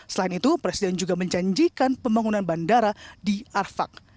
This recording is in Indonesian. selain itu presiden juga menjanjikan pembangunan bandara di arfak